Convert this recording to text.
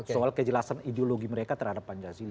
soal kejelasan ideologi mereka terhadap pancasila